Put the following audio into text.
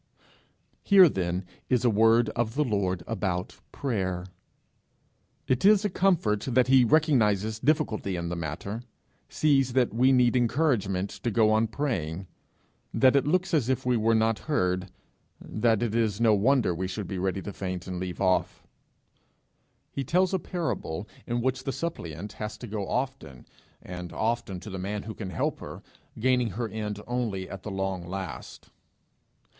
Here then is a word of the Lord about prayer: it is a comfort that he recognizes difficulty in the matter sees that we need encouragement to go on praying, that it looks as if we were not heard, that it is no wonder we should be ready to faint and leave off. He tells a parable in which the suppliant has to go often and often to the man who can help her, gaining her end only at the long last.